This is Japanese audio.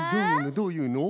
どういうの？